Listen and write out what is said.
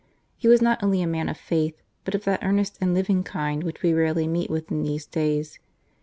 He was not only a man of faith, but of that earnest and living kind which we rarely meet with in these days.